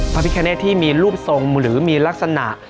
พระพิคเนตที่มีรูปทรงหรือมีลักษณะ